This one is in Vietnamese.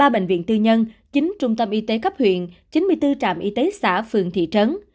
ba bệnh viện tư nhân chín trung tâm y tế cấp huyện chín mươi bốn trạm y tế xã phường thị trấn